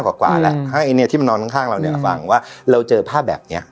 กว่าแล้วให้เนี่ยที่มันนอนข้างเราเนี่ยฟังว่าเราเจอภาพแบบเนี้ย